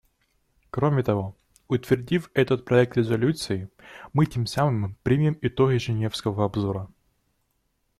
Кроме того, утвердив этот проект резолюции, мы тем самым примем итоги женевского обзора.